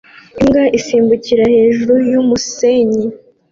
Imbwa isimbukira hejuru y'umusenyi